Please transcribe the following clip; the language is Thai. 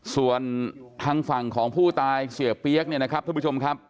ส่วนทางฝั่งของผู้ตายเสียเปี๊ยกเนี่ยนะครับทุกผู้ชมครับ